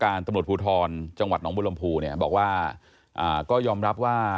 การตำรวจภูทรจังหวัดหนองบุรมภูบอกว่าก็ยอมรับว่า